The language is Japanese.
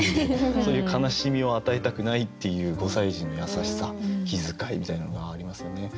そういう悲しみを与えたくないっていう五歳児の優しさ気遣いみたいなのがありますよね。